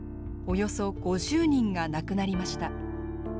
およそ５０人が亡くなりました。